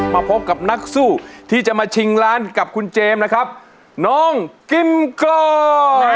มาพบกับนักสู้ที่จะมาชิงล้านกับคุณเจมส์นะครับน้องกิมกรอ